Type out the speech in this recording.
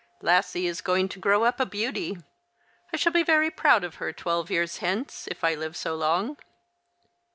Lassie is going to grow up a beauty. I shall be very proud of her twelve years hence, if I live so long."